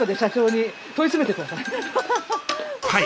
はい。